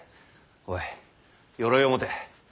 おい鎧を持て。